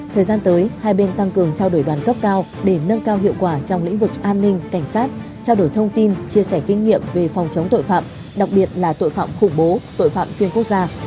thời gian tới hai bên tăng cường trao đổi đoàn cấp cao để nâng cao hiệu quả trong lĩnh vực an ninh cảnh sát trao đổi thông tin chia sẻ kinh nghiệm về phòng chống tội phạm đặc biệt là tội phạm khủng bố tội phạm xuyên quốc gia